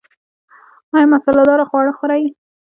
ایا مساله داره خواړه خورئ؟